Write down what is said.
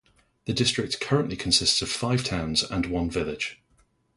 The district currently consists of five towns and one village.